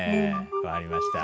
分かりました。